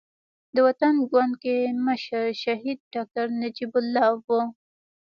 د وطن ګوند کې مشر شهيد ډاکټر نجيب الله وو.